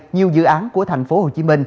nhiều dự án của tp hcm